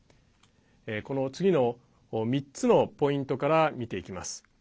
この次の３つのポイントから見ていきます。